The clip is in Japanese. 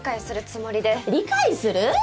理解するぅ！？